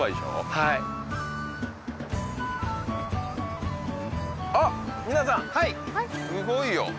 はいはいすごいよ！